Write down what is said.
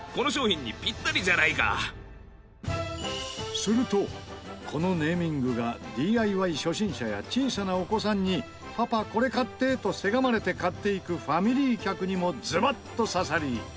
するとこのネーミングがＤＩＹ初心者や小さなお子さんに「パパこれ買って！」とせがまれて買っていくファミリー客にもズバッと刺さり。